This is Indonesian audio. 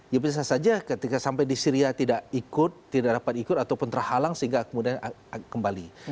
ya bisa saja ketika sampai di syria tidak ikut tidak dapat ikut ataupun terhalang sehingga kemudian kembali